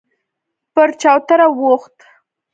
پر چوتره وخوت.